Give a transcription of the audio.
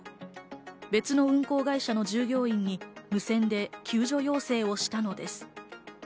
別の運航会社の従業員に無線で救助要請をしたのです。